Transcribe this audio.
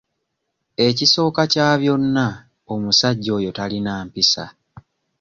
Ekisooka kya byonna omusajja oyo talina mpisa.